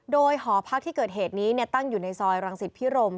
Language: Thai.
โดยหอพักที่เกิดเหตุนี้ตั้งอยู่ในซอยรังสิตพิรม